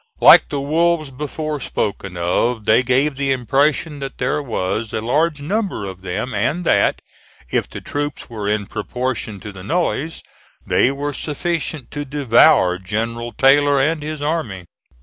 Like the wolves before spoken of, they gave the impression that there was a large number of them and that, if the troops were in proportion to the noise, they were sufficient to devour General Taylor and his army.